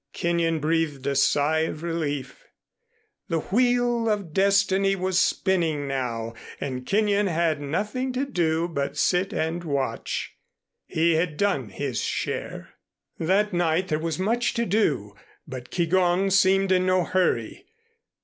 Kenyon breathed a sigh of relief. The wheel of Destiny was spinning now and Kenyon had nothing to do but sit and watch. He had done his share. That night there was much to do, but Keegón seemed in no hurry.